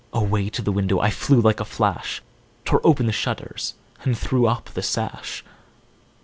Away to the window I flew like a flash, Tore open the shutters and threw up the sash.